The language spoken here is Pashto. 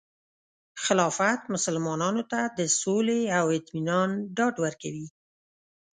خلافت مسلمانانو ته د سولې او اطمینان ډاډ ورکوي.